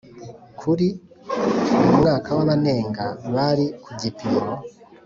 kuri mu mwaka wa Abanenga bari ku gipimo